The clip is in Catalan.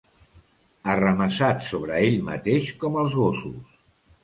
Arramassat sobre ell mateix, com els gossos.